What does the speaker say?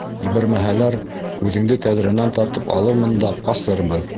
Ебәрмәһәләр, үҙеңде тәҙрәнән тартып алырмын да, ҡасырбыҙ.